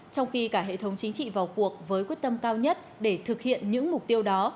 trong khi cả hệ thống chính trị vào cuộc với quyết tâm cao nhất để thực hiện những mục tiêu đó